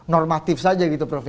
normatif saja gitu prof